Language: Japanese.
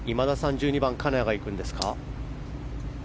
１２番は金谷が行くんですか。